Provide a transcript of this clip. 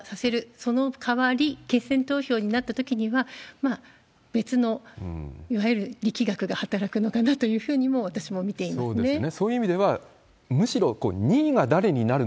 そのかわり、決選投票になったときには、別のいわゆる力学が働くのかなというふうにも、私も見ていますね。